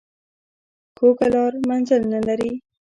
کوږه لار منزل نه لري